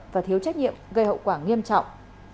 và thiếu trách nhiệm gây hậu quả nghiêm trọng